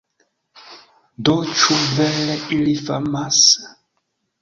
Do ĉu vere ili famas?